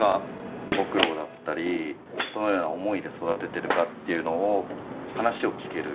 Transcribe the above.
ご苦労だったりどのような思いで育てているかっていうのを話を聞ける。